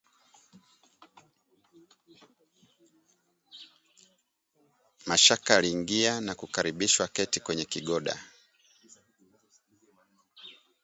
Mashaka aliingia na kukaribishwa aketi kwenye kigoda